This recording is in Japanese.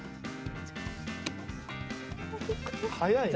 早いな。